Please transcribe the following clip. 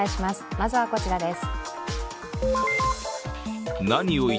まずはこちらです。